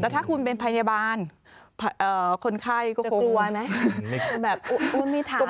แล้วถ้าคุณเป็นพยาบาลคนไข้ก็คงจะกลัวไหมแบบอุ้นมีฐาน